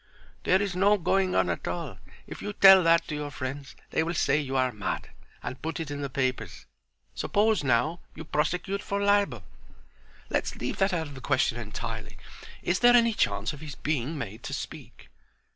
"There is no going on at all. If you tell that to your friends they will say you are mad and put it in the papers. Suppose, now, you prosecute for libel." "Let's leave that out of the question entirely. Is there any chance of his being made to speak?"